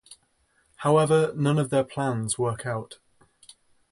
However, none of their plans work out.